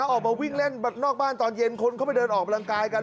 ออกมาวิ่งเล่นนอกบ้านตอนเย็นคนเข้าไปเดินออกกำลังกายกัน